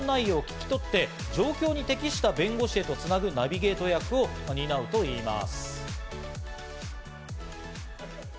相談内容を聞き取って、状況に適した弁護士へとつなぐナビゲート役を補うといいます。